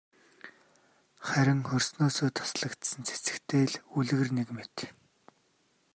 Харин хөрснөөсөө таслагдсан цэцэгтэй л үлгэр нэг мэт.